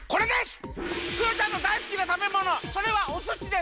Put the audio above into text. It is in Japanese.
クヨちゃんのだいすきなたべものそれはおすしです！